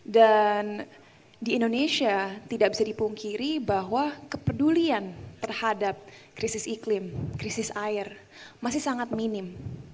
dan di indonesia tidak bisa dipungkiri bahwa kepedulian terhadap krisis iklim krisis air masih sangat minim